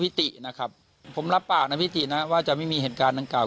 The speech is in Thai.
ตินะครับผมรับปากนะพี่ตินะว่าจะไม่มีเหตุการณ์ดังกล่า